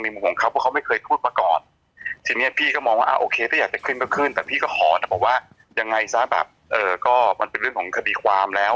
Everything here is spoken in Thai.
อย่างไรซะมันเป็นเรื่องของคดีความแล้ว